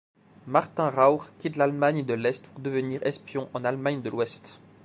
Martin Rauch quitte l'Allemagne de l'Est pour devenir espion en Allemagne de l'Ouest.